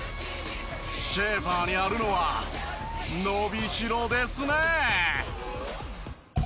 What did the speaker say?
シェーファーにあるのは伸びしろですね。